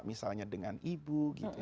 misalnya dengan ibu